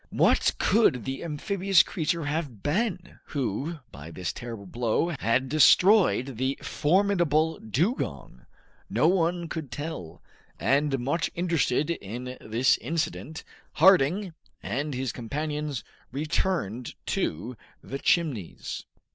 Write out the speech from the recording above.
What could the amphibious creature have been, who, by this terrible blow had destroyed the formidable dugong? No one could tell, and much interested in this incident, Harding and his companions returned to the Chimneys.